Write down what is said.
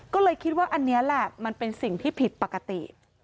ก็เลยคิดว่าอันนี้แหละมันเป็นสิ่งที่ผิดปกติ